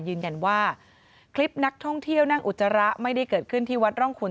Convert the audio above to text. ยืนยันว่าคลิปนักท่องเที่ยวนั่งอุจจาระไม่ได้เกิดขึ้นที่วัดร่องคุณ